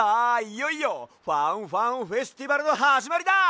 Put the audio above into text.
いよいよファンファンフェスティバルのはじまりだ！